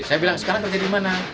saya bilang sekarang kerja di mana